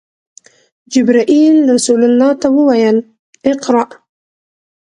جبرئیل رسول الله ته وویل: “اقرأ!”